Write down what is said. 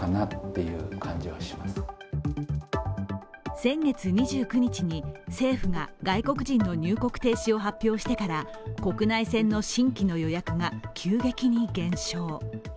先月２９日に政府が外国人の入国停止を発表してから国内線の新規の予約が急激に減少。